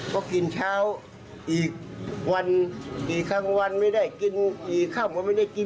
ก็กินเช้าอีกวันกี่ครั้งวันไม่ได้กินกี่ค่ำก็ไม่ได้กิน